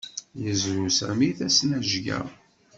Yezrew Sami tasnajya.